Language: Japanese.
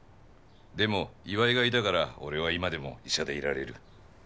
でも岩井がいたから俺は今でも医者でいられる。